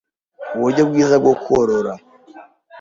uburyo bwiza bwo korora,